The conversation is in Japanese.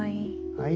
はい。